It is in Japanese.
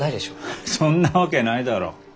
ハッそんなわけないだろう？